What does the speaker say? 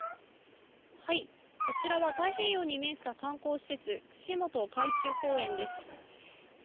こちらは太平洋に面した観光施設、串本海中公園です。